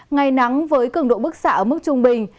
ngày nắng với cường độ bức xạ ở mức trung bình